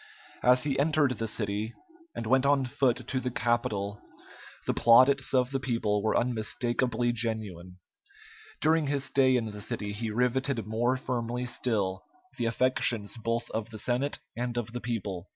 As he entered the city and went on foot to the Capitol, the plaudits of the people were unmistakably genuine. During his stay in the city he riveted more firmly still the affections both of the Senate and of the people.